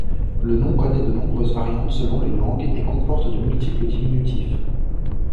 Le nom connait de nombreuses variantes selon les langues et comporte de multiples diminutifs.